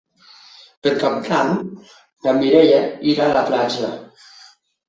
Per Cap d'Any na Mireia irà a la platja.